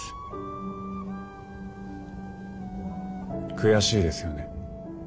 悔しいですよね。